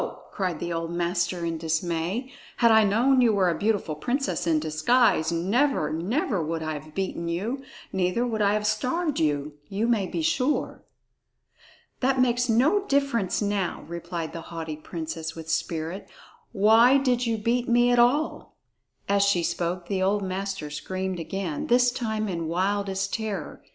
cried the old master in dismay. "Had I known you were a beautiful princess in disguise, never, never would I have beaten you; neither would I have starved you, you may be sure." "That makes no difference now," replied the haughty princess with spirit; "why did you beat me at all?" As she spoke, the old master screamed again, this time in wildest terror.